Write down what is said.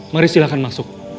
mari silahkan masuk